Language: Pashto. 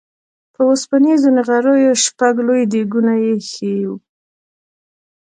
په اوسپنيزو نغريو شپږ لوی ديګونه اېښي وو.